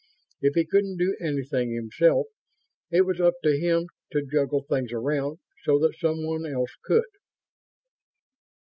If he couldn't do anything himself, it was up to him to juggle things around so that someone else could.